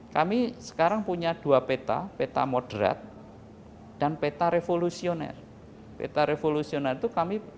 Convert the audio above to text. kami sekarang punya dua peta peta moderat dan peta revolusioner peta revolusioner itu kami